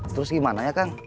terus gimana ya kang